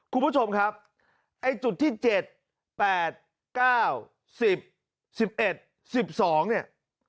คุณผู้ชมครับไอ้จุดที่๗๘๙๑๐๑๑๑๑๒เนี่ย